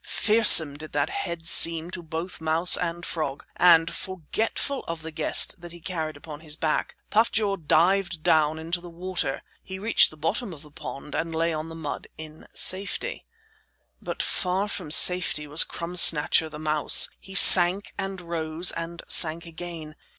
Fearsome did that head seem to both mouse and frog. And forgetful of the guest that he carried upon his back, Puff jaw dived down into the water. He reached the bottom of the pond and lay on the mud in safety. But far from safety was Crumb Snatcher the mouse. He sank and rose, and sank again.